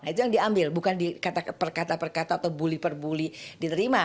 itu yang diambil bukan dikata per kata atau bully per bully diterima